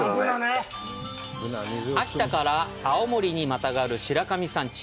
秋田から青森にまたがる白神山地。